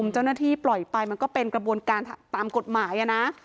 เจ้าหน้าที่ปล่อยไปมันก็เป็นกระบวนการตามกฎหมายนะ